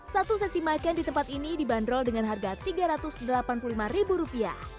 satu sesi makan di tempat ini dibanderol dengan harga rp tiga ratus delapan puluh lima